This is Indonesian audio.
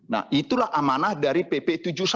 nah itulah amanah dari pp tujuh puluh satu